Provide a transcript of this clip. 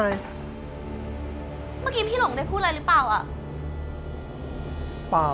เมื่อกี้พี่หลงได้พูดอะไรหรือเปล่าอ่ะ